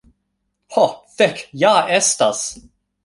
Ho, fek' ja estas